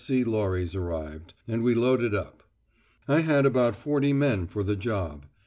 S.C. lorries arrived, and we loaded up. I had about forty men for the job.